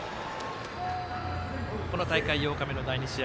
この大会８日目の第２試合